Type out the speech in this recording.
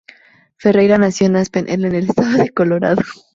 Ferreira nació en Aspen, en el estado de Colorado.